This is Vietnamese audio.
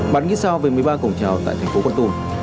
bạn nghĩ sao về một mươi ba cổng trào tại tp quận tùm